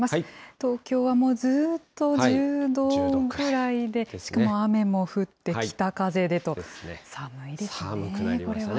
東京はもうずっと１０度ぐらいで、しかも雨も降ってきて、北風でと、寒いですね。